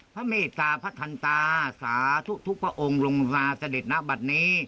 พระเมษตาพระทันตาสาธุทุกพระองค์ลงราเสด็จนะบัดนี้